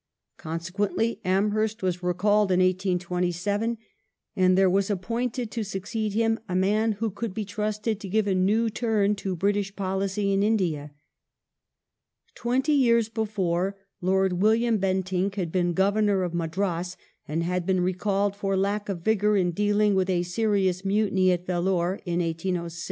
Consequently Amhei*st was recalled in 1827, and there was appointed to succeed him a man who could be trusted to give a new turn to British policy in India. Twenty years before. Lord William Bentinck had been Governor of Madras, and had been recalled for lack of vigour in dealing with a serious mutiny at Vellore (1806).